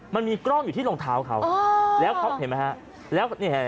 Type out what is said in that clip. มันมีกล้องอยู่ที่รองเท้าเขา